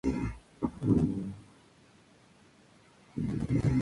Eventualmente llevó su obra al teatro con la actriz Beatriz Sheridan.